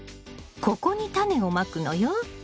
ここにタネをまくのよ。